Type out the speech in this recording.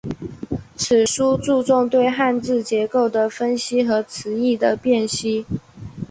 此书注重对汉字结构的分析和词义的辨析。